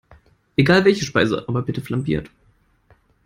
Egal welche Speise, aber bitte flambiert!